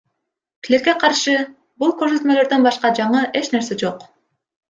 Тилекке каршы, бул көрсөтмөлөрдөн башка жаңы эч нерсе жок.